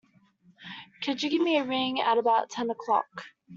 Could you give me a ring at about ten o'clock?